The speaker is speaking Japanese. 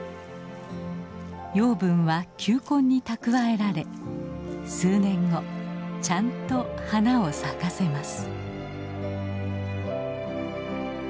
養分は球根に蓄えられ数年後ちゃんと花を咲かせます。